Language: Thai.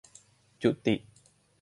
'จุติ'